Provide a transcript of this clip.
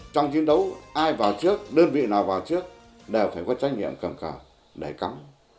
trong chiến đấu ai vào trước đơn vị nào vào trước đều phải có trách nhiệm cầm cào để cắm